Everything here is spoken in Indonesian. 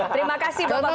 terima kasih bapak bapak